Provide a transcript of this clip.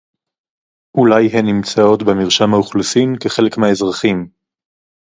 אולי הן נמצאות במרשם האוכלוסין כחלק מהאזרחים